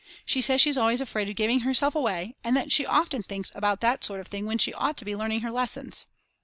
She says she's always afraid of giving herself away and that she often thinks about that sort of thing when she ought to be learning her lessons.